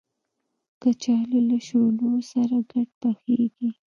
کچالو له شولو سره ګډ پخېږي